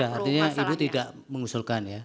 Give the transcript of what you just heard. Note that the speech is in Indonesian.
ya sudah artinya itu tidak mengusulkan ya